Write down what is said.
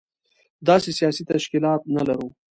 داسې سياسي تشکيلات نه لرو.